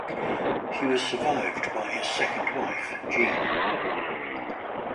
He was survived by his second wife, Jean.